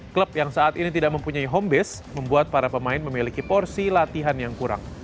klub yang saat ini tidak mempunyai home base membuat para pemain memiliki porsi latihan yang kurang